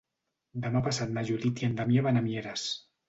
Demà passat na Judit i en Damià van a Mieres.